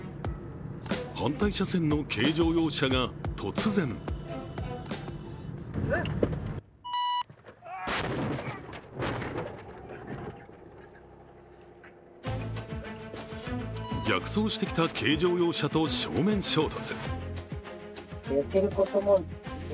反対車線の軽乗用車が突然逆走してきた軽乗用車と正面衝突。